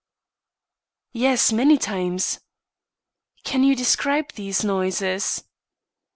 "Yes, many times." "Can you describe these noises?"